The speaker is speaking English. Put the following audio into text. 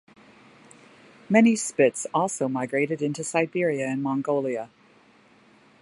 Many spitz also migrated into Siberia and Mongolia.